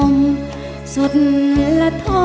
ไม่ใช้ค่ะ